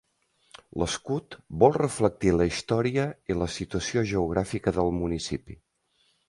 L'escut vol reflectir la història i la situació geogràfica del municipi.